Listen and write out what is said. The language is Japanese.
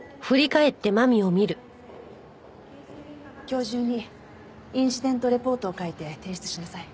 今日中にインシデントレポートを書いて提出しなさい。